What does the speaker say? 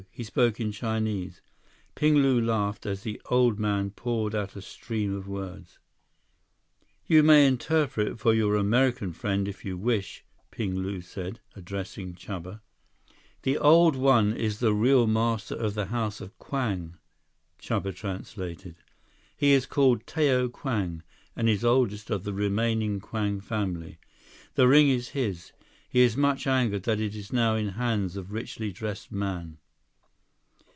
He spoke in Chinese. Ping Lu laughed as the old man poured out a stream of words. "You may interpret for your American friend, if you wish," Ping Lu said, addressing Chuba. 149 "The Old One is the real Master of the House of Kwang," Chuba translated. "He is called Tao Kwang, and is oldest of the remaining Kwang family. The ring is his. He is much angered that it is now in hands of richly dressed man."